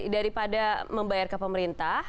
daripada membayar ke pemerintah